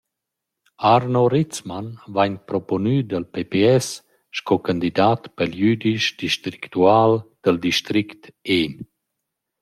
Arno Ritzmann vain propuonü dal pps sco candidat pel güdisch districtual dal district En.